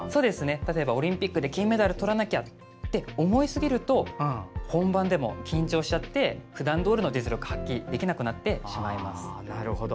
例えば、オリンピックで金メダルをとらなきゃと思いすぎてしまうと本番でも緊張しちゃって普段どおりの実力を発揮できなくなってしまいます。